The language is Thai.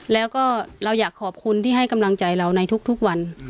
แล้วก็เราอยากขอบคุณที่ให้กำลังใจเราในทุกวัน